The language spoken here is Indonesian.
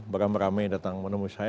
beramai ramai datang menemui saya